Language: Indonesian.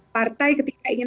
partai ketika ingin